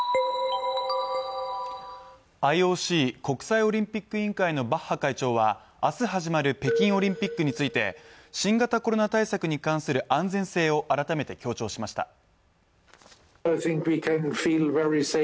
ＩＯＣ＝国際オリンピック委員会のバッハ会長は明日始まる北京オリンピックについて、新型コロナ対策に関する安全性を改めて強調しました。